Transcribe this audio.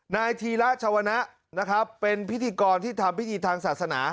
นายธีระชวนะนะครับเป็นพิธีกรที่ทำพิธีทางศาสนา